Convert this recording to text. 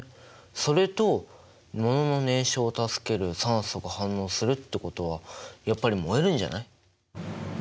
それとものの燃焼を助ける酸素が反応するってことはやっぱり燃えるんじゃない？